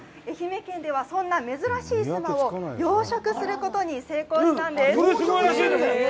愛媛県では、そんな珍しいスマを養殖することに成功したんです。